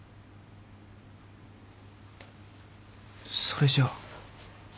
それじゃあ。